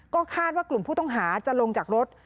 ก็คาดว่ากลุ่มผู้ต้องหาจะลงจากรถ